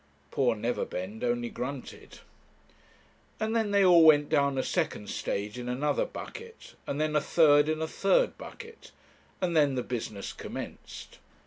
Poor Neverbend only grunted. And then they all went down a second stage in another bucket; and then a third in a third bucket; and then the business commenced.